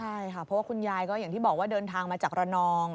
ใช่ค่ะเพราะว่าคุณยายก็อย่างที่บอกว่าเดินทางมาจากระนอง